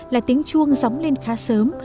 là tính chuông dóng lên khá sớm